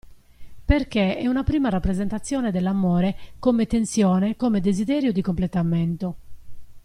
Perché è una prima rappresentazione dell'amore come tensione e come desiderio di completamento.